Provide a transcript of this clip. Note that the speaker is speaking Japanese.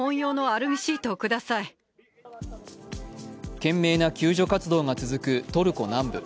懸命な救助活動が続くトルコ南部。